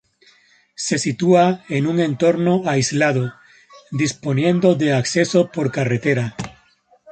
Se sitúa en un entorno aislado, disponiendo de acceso por carretera.